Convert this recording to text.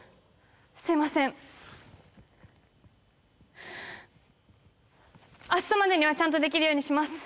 すみません明日までにはちゃんとできるようにします